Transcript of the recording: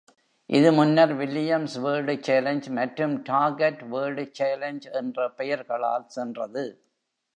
இது முன்னர் Williams world challenge மற்றும் டார்கெட் வேர்ல்ட் சேலஞ்ச் என்ற பெயர்களால் சென்றது.